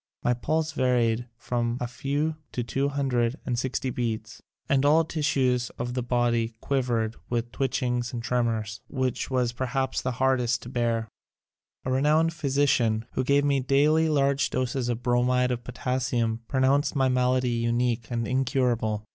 My pulse varied from a few to two hundred and sixty beats and all the tissues of the body with twitch ings and tremors which was perhaps the hardest to bear. A renowned physician who gave me daily large doses of Bromid of Potassium pronounced my malady unique and incurable.